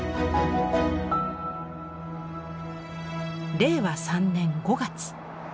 令和３年５月。